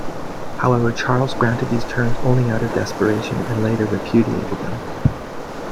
However Charles granted these terms only out of desperation and later repudiated them.